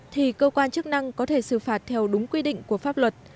thì cơ quan chức năng có thể xử phạt theo đúng quy định của pháp luật